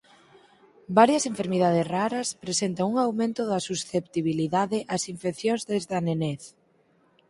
Varias enfermidades raras presentan un aumento da susceptibilidade ás infeccións desde a nenez.